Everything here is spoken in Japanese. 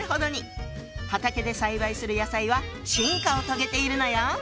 畑で栽培する野菜は進化を遂げているのよ！